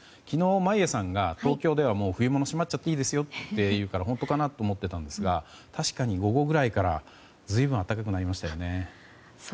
昨日、眞家さんが東京ではもう冬物しまっちゃっていいですよと言うから本当かなと思っていたんですが確かに午後くらいから随分、暖かくなりましたよね。